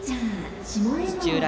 土浦